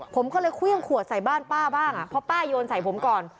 ผมก็เลยเครื่องขวดใส่บ้านป้าบ้างเพราะป้าโยนใส่ผมก่อน